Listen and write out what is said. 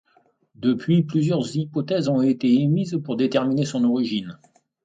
Depuis, plusieurs hypothèses ont été émises pour déterminer son origine.